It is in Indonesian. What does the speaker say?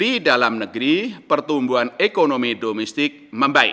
di dalam negeri pertumbuhan ekonomi domestik membaik